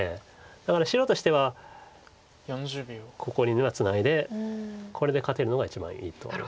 だから白としてはここにはツナいでこれで勝てるのが一番いいと思います。